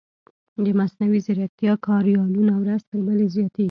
د مصنوعي ځیرکتیا کاریالونه ورځ تر بلې زیاتېږي.